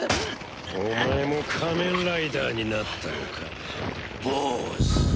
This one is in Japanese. お前も仮面ライダーになったのか坊主。